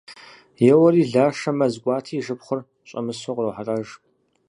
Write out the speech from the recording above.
Йоуэри, Лашэ мэз кӏуати, и шыпхъур щӏэмысу кърохьэлӏэж.